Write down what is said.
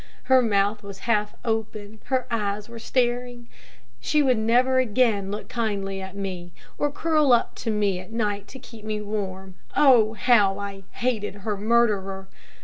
Her mouth was half open, her eyes were staring. She would never again look kindly at me, or curl up to me at night to keep me warm. Oh, how I hated her murderer!